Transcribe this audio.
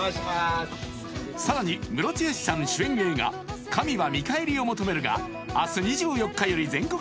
さらにムロツヨシさん主演映画「神は見返りを求める」が明日２４日より全国